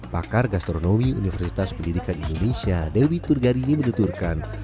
pakar gastronomi universitas pendidikan indonesia dewi turgarini menuturkan